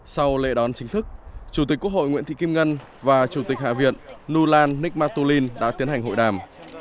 sau lễ đón chính thức chủ tịch quốc hội nguyễn thị kim ngân và chủ tịch hạ viện nulan nikmatulin đã tiến hành hội đàm